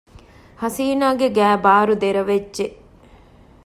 ހަސީނާގެ ގައިބާރު ދެރަވެއްޖެ